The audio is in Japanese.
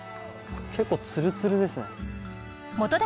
結構ツルツルですね。